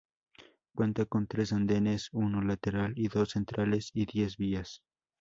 Cuenta con tres andenes, uno lateral y dos centrales y diez vías.